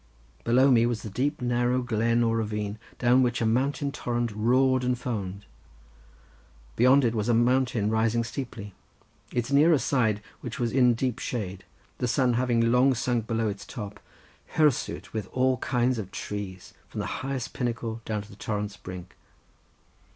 Below me was the deep narrow glen or ravine down which a mountain torrent roared and foamed. Beyond it was a mountain rising steeply, its nearer side, which was in deep shade, the sun having long sunk below its top, hirsute with all kinds of trees, from the highest pinnacle down to the torrent's brink.